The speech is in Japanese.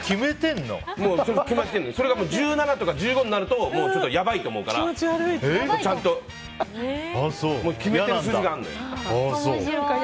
それが１７とか１５になるとちょっとやばいと思うからちゃんと決めてる数字があるのよ。